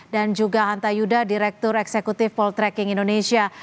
dan juga hanta yuda direktur eksekutif poltreking indonesia